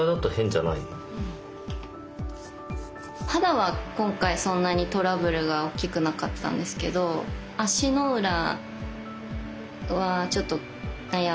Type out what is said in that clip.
肌は今回そんなにトラブルが大きくなかったんですけど足の裏はちょっと悩みで。